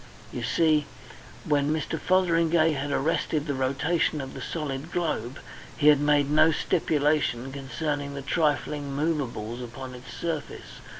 You see, when Mr. Fotheringay had arrested the rotation of the solid globe, he had made no stipulation concerning the trifling movables upon its surface.